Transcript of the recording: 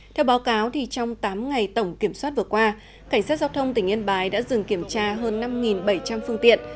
theo báo cáo trong tám ngày tổng kiểm soát vừa qua cảnh sát giao thông tỉnh yên bái đã dừng kiểm tra hơn năm bảy trăm linh phương tiện